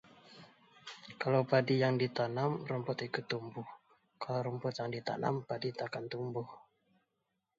Kalau padi yang ditanam, rumput ikut tumbuh; Kalau rumput yang ditanam, padi takkan tumbuh